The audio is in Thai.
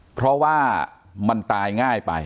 เพราะว่ามันตายง่ายไป